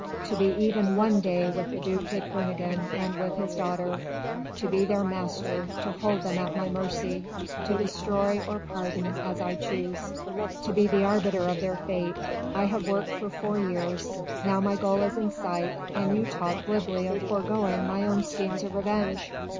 To be even one day with the duc de Kernogan and with his daughter! to be their master! to hold them at my mercy!... to destroy or pardon as I choose!... to be the arbiter of their fate!... I have worked for four years: now my goal is in sight, and you talk glibly of forgoing my own schemes of revenge!